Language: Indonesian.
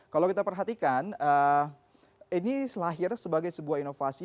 kalau kita perhatikan ini lahir sebagai sebuah inovasi